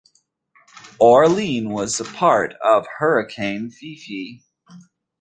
Orlene was a part of Hurricane Fifi.